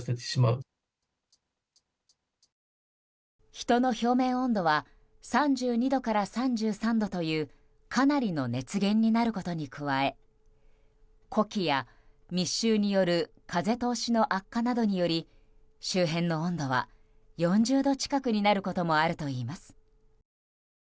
人の表面温度は３２度から３３度というかなりの熱源になることに加え呼気や密集による風通しの悪化などにより周辺の温度は４０度近くになることもあるといいます。